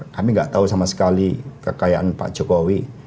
kami nggak tahu sama sekali kekayaan pak jokowi